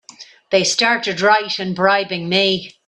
They started right in bribing me!